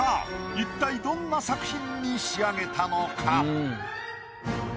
一体どんな作品に仕上げたのか？